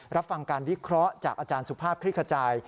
รับฟังการวิเคราะห์จากอาจารย์สุภาพคลิกขจาย